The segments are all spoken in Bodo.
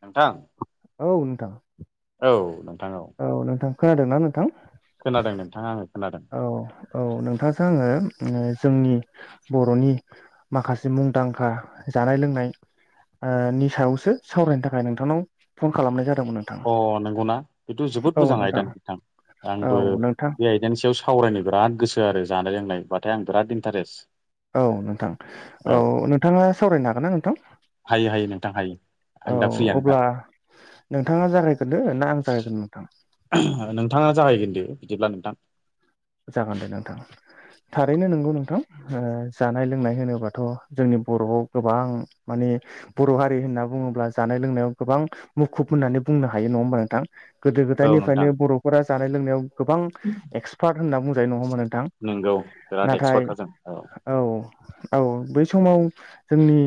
नोंथां औ नोंथां औ नोंथां औ नोंथां खोनादोंना नोंथां खोनादों नोंथां आङो खोनादों औ औ नोंथांजों आङो ओ जोंनि बर'नि माखासे मुंदांखा जानाय लोंनाय ओ नि सायावसो सावरायनो थाखाय नोंथांनाव फन खालामनाय जा अ नंगौना थ जोबोद मोजां आयदा नोंथां औ आंबो नोंथां बे आयदानि सायाव सावरायनो बिराद गोसो आरो जानाय लोंनायब्लाथाय आं बिराद इन्टारेस्ट औ नोंथां औ नोंथाङा सावरायनो हागोनना नोंथां हायो हायो नोंथां हायो आं औ दा फ्रियानोखा अब्ला नोंथाङा जागायगोरनो ना आं जागायगोरनो नोंथां नोंथाङा जागायगोरदो बिदिब्ला नोंथां जागोन दे नोंथां थारैनो नंगौ नोंथां ओ जानाय लोंनाय होनोबाथ' जोंनि बर'आव गोबां माने बर' हारि होनना बुङोब्ला जानाय लोंनायाव गोबां मुखुब होननानै बुंनो हायो नङा होमबा नोंथां गोदो औ नोंथां गोदायनिफ्रायनो बर'फोरा जानाय लोंनायाव गोबां एक्स फार होनना बुंजायो नङा होमबा नोंथां नोंगौ बिराद नाथाय एक्सपार्टखा जों औ औ बै समाव जोंनि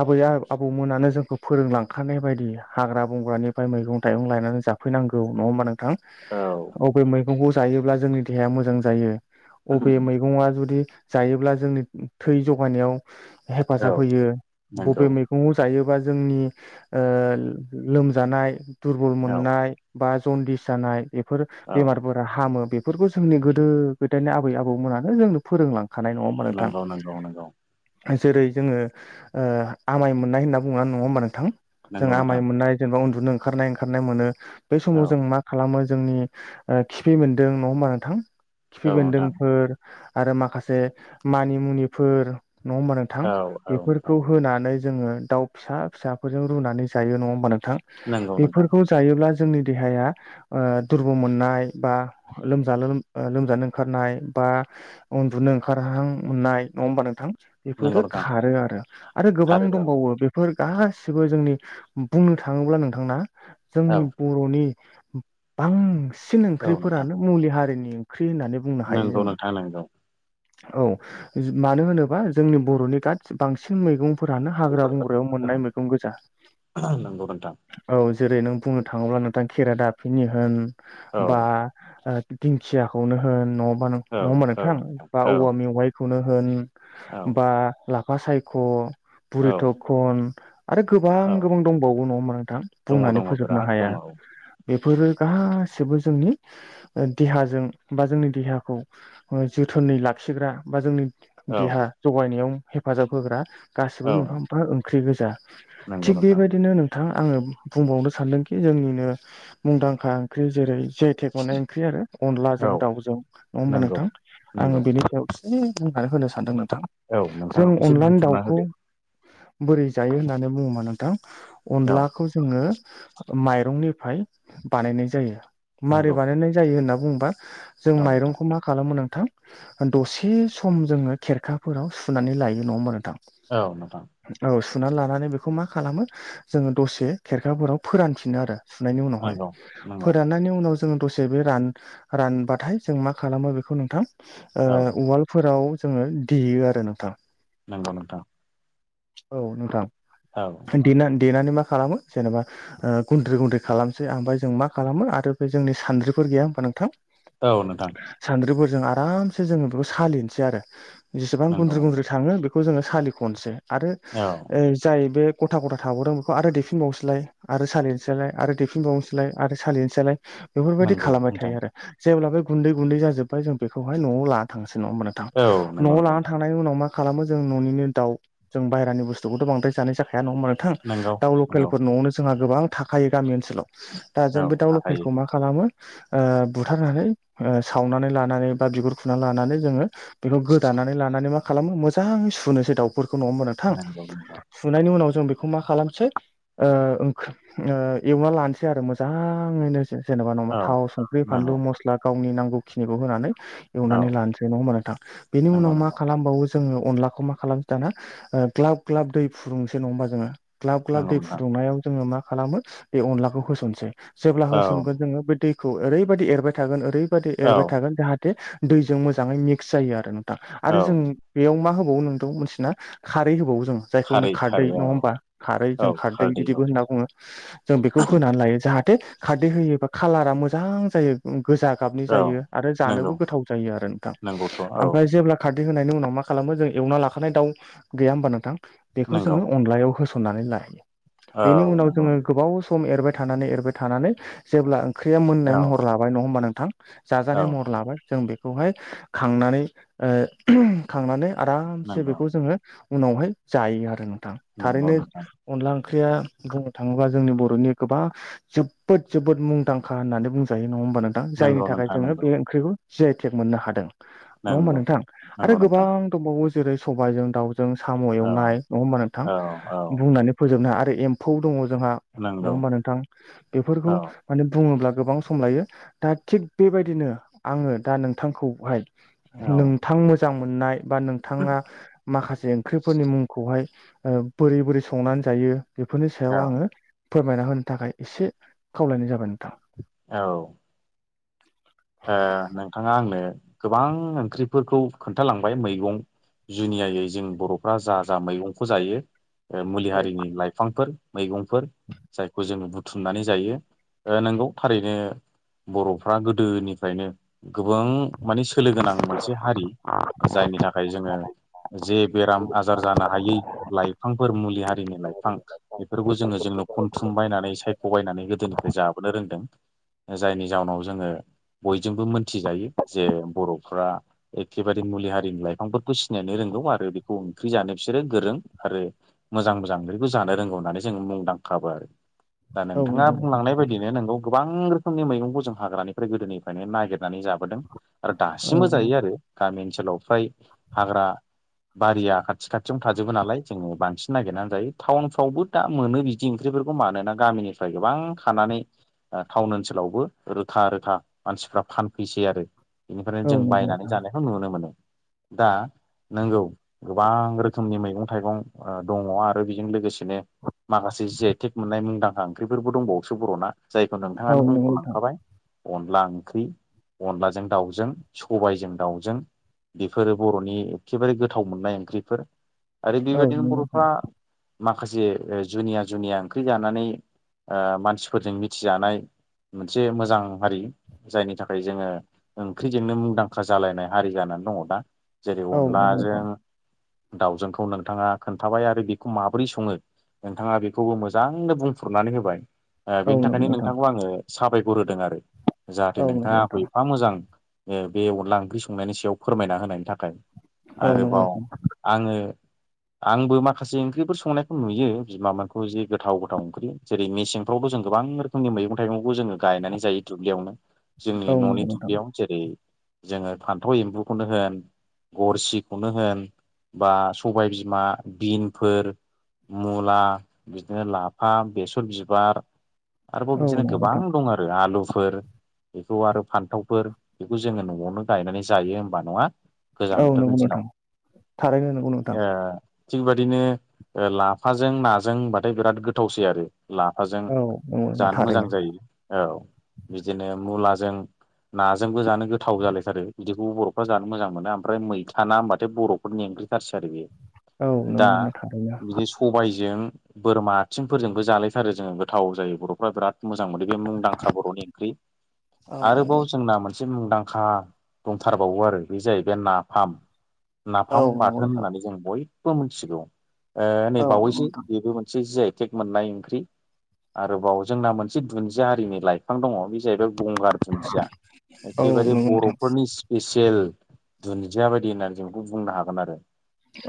आबै आबौमोनानो जोंखौ फोरोंलांखानाय बायदि हाग्रा बंग्रानिफ्राय मैगं थाइगं लायनानै जा जाफैनांगौ नङा होमबा नोंथां औ अबे मैगंखौ जायोब्ला जोंनि देहाया मोजां जायो अबे मैगङा जुदि जायोब्ला जोंनि थै जगायनायाव औ हेफाजाब होयो नंगौ बबे मैगंखौ जायो बा जोंनि ओ लोमजानाय दुरबल औ मोननाय बा जनदिस जानाय बेफोर औ बेमारफोरा हामो बे फोरखौ जोंनि गोदो गोदायनि आबै आबौमोनानो जोंनो फोरोंलां खानाय नङा होमबा नोंथां नंगौ नंगौ नंगौ जेरै जोङो ओ आमाय मोननाय होनना बुङोना नङा होमबा नोंथां जों नंगौ नोंथां आमाय मोननाय जेनेबा उन्दुनो ओंखारनाय ओंखारनाय मोनो बे समाव औ जों मा खालामो जोंनि ओ खिफि बेदों नङा होमबा नोंथां खिफि औ नोंथां बेन्दोंफोर आरो माखासे मानि मुनिफोर नङा होमबा नोंथां औ औ बेफोरखौ नोंथां होनानै जोङो दाउ फिसा फिसाफोरजों रुनानै जायो नङा होमबा नोंथां नंगौ नोंथां बेफोरखौ जायोब्ला जोंनि देहाया ओ दुरबल मोननाय बा। लोमजा लोमजानो ओंखारनाय बा उन्दुनो ओंखारहां मोननाय नङा होमबा नोंथां। नंगौ बेफोरो नोंथां खारो आरो आरो गोबां थारो औ दंबावो बेफोर गासिबो जोंनि बुंनो थाङोब्ला नोंथांना औ जोंनि बर'नि बांसिन औ नोंथां ओंख्रिफोरानो मुलि हारिनि ओंख्रि होननानै बुंनो हायो नंगौ जों नोंथां। नंगौ औ मानो होनोबा जोंनि बर'नि गाद बांसिन मैगं फोरानो हाग्रा बंग्रायाव मोननाय मैगं गोजा नंगौ नोंथां औ जेरै नों बुंनो थाङोब्ला नोंथां खेरा दाफिनि होन औ बा दिंखियाखौनो होन नङाबा नङ औ होमबा औ नोंथां बा औ औवा मेवाइखौनो होन। औ बा लाफा सायख', बुरि औ थखन। आरो औ गोबां गोबां दंबावो नङा नोंथां दङ बुंनानै दङ फोजोबनो बिराद हाया। दङ औ बेफोरो गासिबो जोंनि देहाजों बा जोंनि देहाखौ जोथोनै लाखिग्रा बा जोंनि औ देहा जगायनायाव हेफाजाब होग्रा औ गासिबो मोनफा मोनफा ओंख्रि गोजा नंगौ थिग नोंथां बेबायदिनो नोंथां आङो बुंबावनो सानदोंखि जोंनिनो मुंदांखा ओंख्रि जेरै मनाय ओंख्रि आरो अनलाजों औ दाउजों नङा होमबा नंगौ नोंथां आङो नंगौ बेनि सायाव। बुंनानै होनो सानदों नोंथां औ नोंथां जों एसे अनलानि बुंफोरना दाउखौ। होदो बोरै जायो होननानै बुङोबा नोंथां औ अनलाखौ जोङो। माइरंनिफ्राय बानायनाय जायो। नंगौ होन बुंनाय जायो होनबा जों औ नोंथां माइंखौ मा खालामनो। नोंथां दसे सम जोङो खेरखाफोराव सुनानै लायो नङा होनबा नोंथां। औ नोंथां औ। सुनानै लानानै बेखौ मा खालामो जोङो दसे खेरखाफोराव फोरानफिनो आरो। सुनायनि उनावहाय नंगौ नंगौ फोराननायनि उनाव। जों दसे बे रानबाथाय जों मा खालामो बेखौ नोंथां औ उवालफोराव। जोङो देयो आरो नोंथां। नंगौ नोथां। औ नोंथां। देनानै मा खालामो जेनेबा गुन्द्रै गुन्द्रै खालामसै ओमफ्राय मा खालामो आरो बे जों सानद्रि। गैया होमबा नोंथां। औ नोंथां। जों आरामसे जोङो बेखौ सालिनोसै आरो जेसेबां नंगौ गुन्द्रि नंगौ गुन्द्रि थाङो बेखौ जोङो सालिख'नोसै। आरो औ जाय बे। गथा गथा थाबावदों बेखौ आरो देफिनबावनोसैलाय आरो सालिनोसैलाय आरो देफिनबावनोसैलाय आरो सालिनोसैलाय। बेफोरबायदि नंगौ खालामबाय नोंथां थायो आरो जेब्ला बे गुन्दै गुन्दै जाजोब्बाय जों बेखौहाय न'आव लाना थाङो। नङा होमबा नोंथां औ नंगौ न'आव नंगौ लानानानै नोंथां थांनायनि उनाव मा खालामो जों न'निनो दाउ जों बाहहानि बुस्थुखौथ' बांद्राय जाखाया नङा होमा नोंथां नंगौ दा नंगौ लकेलफोर न'आवनो जोंहा गोबां थाखायो। गामि ओनसोलाव दा जों औ बे दाउ हाखायो लकेलखौ मा खालामो। बुथारनानै सावनानै लानानै बा बिगुर खुनानै लानानै जोङो। बेखौ गोदानानै लानानै मा खालामो मोजाङै सुनोसै दाउफोरखौ नङा होनबा नोंथां नंगौ नंगौ सुनायनि उनाव। जों बेखौ मा खालामसै ओ एवना लानोसै आरो मोजाङैनो जों। जेनेबा औ नङाबा थाव संख्रि फानलु नंगौ मस्ला गावनि नांगौखिनिखौ होनानै। औ एवनानै लानोसै नङा होनबा नोंथां बेनि नंगौ उनाव मा नंगौ खालामबावो जोङो अनलाखौ मा खालाम। दाना ग्लाब ग्लाब दै फुदुंसो नङा होमबा जोङो ग्लाब ग्लाब नंगौ दै नोंथां फुदुंनायाव जोङो मा। खालामो बे अनलाखौ होसनसै जेब्ला औ होसनगोन जोङो बे दैखौ ओरैबायदि एरबाय थागोन ओरै। बायदि औ एरबाय थागोन जाहाथे दैजों मोजाङै मिक्स जायो आरो नोंथां औ आरो जों मा। मिथियोना खारै होबावो। जायखौ होनो खारै खारदै खारै नङा औ होमबा खारै औ जोङो खारदै बिदिनो औ होनना बुङो जों बेखौ होनानै लायो जा जाहाथे खारदै होयोबा कालारा मोजां जायो गोजा गाबनि औ जायो आरो जानोबो नंगौ गोथाव जायो आरो नोंथां नंगौथ' औ ओमफ्राय जेब्ला खारदै होनायनि उनाव मा खालामो जों एवनाइ लाखानाय दाव गैया होनबा नोंथां बेखौ नंगौ जोंङो अनलायाव होस ननानै लायो औ बेनि उनाव नंगौ जोङो गोबाव सम एरबाय थानानै एरबाय थानानै जेब्ला ओख्रिया मोननाय औ महर लाबाय नङा होमबा नोंथां जाजानाय औ महर लाबाय जों बेखौ खांनानै बेखौ आरामसे नंगौ बेखौ जोङो उनावहाय जायो आरो नोंथां नंगौ थारैनो नोंथां अनला ओंख्रि ओंख्रिया बुंनो थांङोबा जोंनि बर'नि गोबां जोबोद जोबोद मुंदांखा होननानै बुंजायो नङा [unintelligible] जायनि नंगौ थाखाय नोंथां जोंङो नंगौ बे ओंख्रिखौ जि आइ टेक मोननो हादों नंङा होनबा नंगौ नोंथां आरो नंगौ गोबां नोंथां दंबावो जेरै सबायाइजों दाउ साम औ एवनाय नंङा होनबा नोंथां औ औ बुंनानै आरो एम्फौ जोंहा नंङा नंगौ होमबा नोंथां बेफोरखौ औ माने बुङोब्ला गोबां सम लायो दा थिग बेबायदिनो आंङो दा नोंथांखौहाय औ नोंथां मोजां मोननाय बा नोंथांङा माखासे ओंख्रिफोरनि मुंखौ बेहाय बोरै बोरै संनानै जायो बेफोरनि औ सायाव आंङो फोरमायना होनो थाखाय एसे खावलायनाय जाबाय नोंथां औ ओ नोंथांङा आंनो गोबां ओंख्रिफोरखौ खोन्थालांबाय मैगं जुनियायै जों बर'फ्रा जा जा मैगंखौ जायो मुलि औ हारिनि लाइफांफोर मैगंफोर जायखौ जोंङो बुथुमनानै जायो नंगौ थारैनो बर'फ्रा गोदोनिफ्रायनो गोबां माने सोलो गोनां मोनसे हारि जायनि थाखाय जोंङो जे बेराम आजार जानो हायै लाइफांफोर मुलि हारिनि लाइफां बेफोरखौ जोंङो जों नो खनथुम बायनानै सायख' बायनानै गोदोनिफ्राय जाबोनो रोंदों जायनि जाउनाव जोंङो बयजोंबो मोनथिजायो जे बर'फ्रा एखेबारे मुलि हारिनि लाइफांफोरखौ सिनायनो रोंगौ आरो बेखौ ओंख्रि जानो बिसोरो गोरों आरो मोजां मोजां ओंख्रिखौ जानो रोंगौ होननानै जों मुंदांखा दा नोंथाङा नंगौ नोंथां बुंलांनाय बायदिनो नंगौ गोबां रोखोमनि मैगंखौ जों हाग्रानिफ्राय गोदोनि नो नागिरनानै जाबोदों आरो औ दासिमबो जायो आरो गामिनि ओनोलाव फ्राय हाग्रा बारिया खाथि खाथियावनो थाजबो नालाय जोंङो बांसिन नागिरनानै जायो टाउनफ्रावबो दा मोनो बिदि ओंख्रिफोरखौ मानोना गामिनिफ्राय गोबां खानानै टाउन ओनसोलावबो रोखा - रोखा मानसिफ्रा फानफैसै आरो बेनिफ्रायनो औ जों नंगौ बायनानै नोंथां जानायखौ नुनो मोनो दा नंगौ गोबां रोखोमनि मैगं थाइगं दंङो आरो बेजों लोगोसेनो माखासे जि आइ टेक मोननाय मुंदांखा ओंख्रिफोरबो दंबावोसो बर' फोरना जायखौ औ नोंथांङानो नंगौ मुंखौ नोंथां लांखाबाय अनला ओंख्रि अनलाजों दाउजों सबायजों दाउजों बेफोरो बर'नि एखेबारे गोथाव मोननाय ओंख्रिफोर आरो औ बेबायदिनो नंगौ नोंथां बर'फ्रा माखासे जुनिया जुनिया ओंख्रि जानानै ओ मानसिफोरजों मिथिजानाय मोनसे मोजां हारि जायनि थाखाय जोंङो ओंख्रिजोंनो मुंदांखा जालायनाय हारि जानानै दंङो दा जेरै अनलाजों दाउजोंखौ नोंथांङा खोन्थाबाय आरो बेखौ माबोरै संङो नोंथांङा बेखौबो मोजांनो बुंफोरनानै होबाय औ बेनि नंगौ थाखायनो नोंथां नोंथांखौ आंङो साबायखर होदों आरो जाहाथे औ नंगौ नोंथाङा आखौ नोंथां एफा मोजां बे अनला ओंख्रि संनायनि सायाव फोरमायना होनायनि थाखाय औ नंगौ आरोबाव नोंथां आंङो आंबो माखासे ओंख्रिफोर संनायखौ नुयो बिमामोनखौ जे गोथाव गोथाव ओंख्रि जेरै मेसेंफ्रावबो गोबां रोखोमनि मेगं थायगंखौ जों गायनानै जायो दुब्लियाव जोंनि औ नंगौ औ न'नि नंगौ नोंथां दुब्लियावनो जेरै जोंङो फान्थाव एम्बुखौनो होन गरसिखौनो होन बा सबाय बिमा बिनफोर मुला बिदिनो लाफा बेसर बिबार आरोबाव औ बिदिनो नंगौ गोबां नोंथां दं आरो आलुफोर बेखौ आरो फान्थावफोर बेखौ जोंङो न'आवनो गायनानै जायो होनबा नंङा गोजां औ बोथोरनि नंगौ दिनाव नोंथां थारैनो नंगौ नोंथां थिग बादिनो लाफाजों नाजों होनबाथाय बिराद गोथावसै आरो लाफाजों औ नंगौ नोंथां जानो थारैनो मोजां जायो औ बिदिनो मुलाजों नाजोंबो जानो गोथाव जालायथारो बिदिखौबो बर'फ्रा जानो मोजां मोनो ओमफ्राय मैथा ना होनबाथाय बर'फोरनि ओंख्रिथारसै आरो बेयो औ दा नंगौ नोंथां थारैनो बिदि सबायजों बोरमा आथिंफोरजोंबो जालायथारो जोङो गोथाव जायो बर'फ्रा बिराद मोजां मोनो बे मुंदांखा बर'नि औ नंगौ आरोबाव जोंना मोनसे एसे मुंदांखा दंथारबावो आरो बे जाहैबाय नाफाम औ नाफाम नंगौ बाथोन नोंथां होननानै जों बयबो मिथिगौ ओ नै औ नंगौ बावैसो नोंथां बेबो मोनसे जि आइ तेक मोननाय ओंख्रि आरोबाव जोंना मोनसे दुन्दिया हारिनि लाइफां दङ बे जाहैबाय गंगार दुन्दिया औ एखेबारे नंगौ नोंथां बर'फोरनि स्पेसियेल दुुनदिया बायदि होननानै जों बेखौ बुंनो हागोन आरो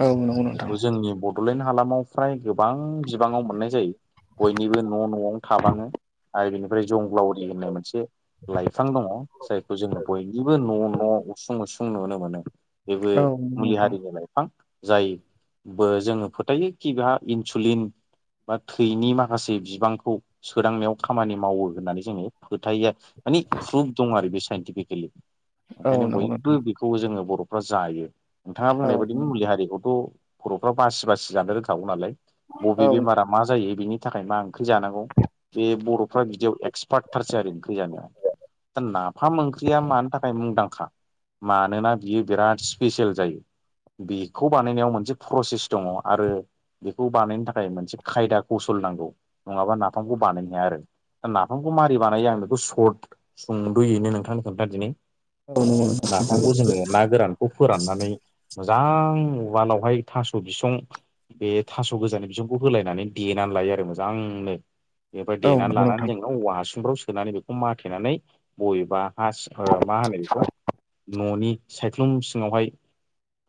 औ नंगौ नोंथां बेखौ जोंनि बड'लेण्ड हालामाव फ्राय गोबां बिबाङाव मोननाय जायो बयनिबो न' न'वावनो थाबाङो आरो बेनिफ्राय जंग्लाावरि होननाय मोनसे लाइफां दङ जायखौ जोङो बयनिबो न' न' उसुं उसुं नुनो मोनो बेबो औ नंगौ मुलि नोंथां हारिनि लाइफां जायबो जोङो फोथायो कि बेहा इनसुुलिन बा थैनि माखासे बिबांखौ सोदांनायाव खामानि मावो होननानै जोङो फोथायो माने प्रुफ दं आरो बे साइन्टिफिकेलि औ ओंखायनो नंगौ नोंथां बयबो बेखौ जोङो बर' बर'फोरा जायो नोंथाङा औ बुंनाय बायदि मुलि हारिखौथ' बर'फ्रा बासि बासि जानो रोंखागौ नालाय औ बबे बेमारा मा जायो बिनि थाखाय मा ओंख्रि जानांगौ बे बर'फ्रा बिदियाव एक्सपार्ट थारसै आरो ओंख्रि जानायाव दा नाफाम ओंख्रिया मानि थाखाय मुंदांखा मानोना बियो बिराद स्पेसियेल जायो बेखौ बानायनायाव मोनसे प्रसेस दङ आरो बेखौ बानायनो थाखाय मोनसे खायदा कौसल नांगौ नङाबा नाफामखौ बानायनो हाया आरो दा नाफामखौ मारि बानायो आं बेखौ सर्ट सुंदुयैनो नोंथांनो खोन्था दिनै औ नंगौ नोंथां नाफामखौ जोङो ना गोरानखौ फोराननानै मोजां उवालावहाय थास' बिसं बे थास' गोजानि बिसंखौ होलायनानै देनानै लायो आरो मोजांनो बेनिफ्राय औ देनानै नंगौ लानानै नोंथां जों औवा हासुंफ्राव सोनानै बेखौ माथेनानै बबेबा ओ मा होनो बेखौ न'नि सायख्लुम सिङावहाय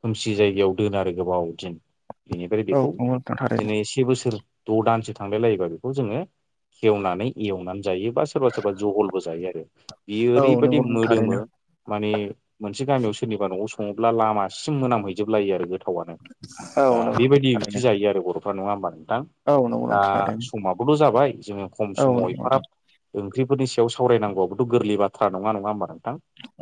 खोमसि जायगायाव दोनो आरो गोबाव दिन बेनिफ्राय औ बेखौ नंगौ नोंथां थारैनो बिदिनो से बोसोर द' दानसो थांलाय लायोबा बेखौ जोङो खेवनानै एवनानै जायो बा सोरबा सोरबा जहलबो जायो आरो बियो औ ओरैबादि नंगौ नोंथां मोदोमो थारैनो माने मोनसे गामियाव सोरनिबा न'आव सङोब्ला लामासिम मोनामहैजोबलायो आरो गोथाव थावानो औ दा नंगौ बेबायदि ओंख्रि थारैनो जायो आरो बर' नङा होमबा नोंथां औ नंगौ दा नोंथां थारैनो समाबोथ' जाबाय जोङो खम औ समाव नंगौ एफाग्राब नोंथां ओंख्रिफोरनि सायाव सावरायनांगौआबोथ' गोरलै बाथ्रा नङा नङा होमबा नोंथां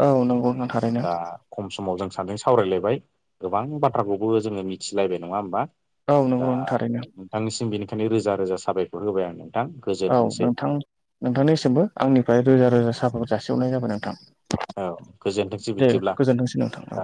औ नंगौ नोंथां थारैनो दा खम समाव जों सानैजों सावरायलायबाय गोबां बाथ्राखौबो जोङो मिथिलायबाय नङा होमबा औ दा नंगौ नोंथां थारैनो नोंथांनिसिम बेनि रोजा रोजा साबायफोर होबाय आं नोंथां औ गोजोन्थोंसै नोंथां नोंथांनिसिमबो आंनिफ्राय रोजा रोजा साबायखर जासिहरनाय जाबाय नोंथां औ गोजोनथोंसै दे बिदिब्ला गोजोनथोंसै नोंथां औ